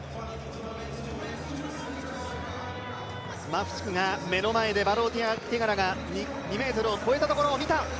マフチクが目の前でバローティガラが２ｍを越えたところを見た